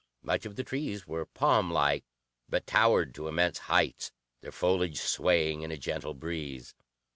Most of the trees were palmlike, but towered to immense heights, their foliage swaying in a gentle breeze.